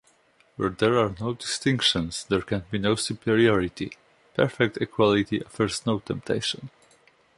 Where there are no distinctions, there can be no superiority. Perfect equality offers no temptation.